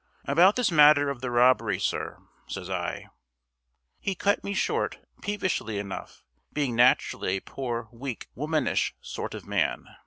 "About this matter of the robbery, sir," says I. He cut me short, peevishly enough, being naturally a poor, weak, womanish sort of man.